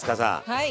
はい。